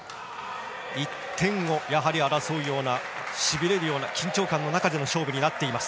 １点を争うようなしびれるような緊張感の中での勝負になっています。